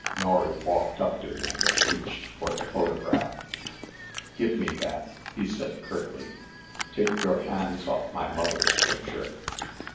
Norry walked up to him and reached for the photograph. "Give me that," he said curtly. "Take your hands on my mother's picture."